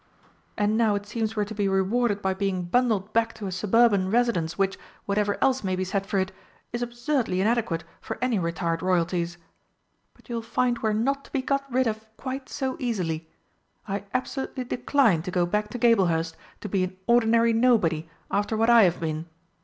And now it seems we're to be rewarded by being bundled back to a suburban residence which, whatever else may be said for it, is absurdly inadequate for any retired Royalties! But you will find we are not to be got rid of quite so easily. I absolutely decline to go back to Gablehurst to be an ordinary nobody after what I have been.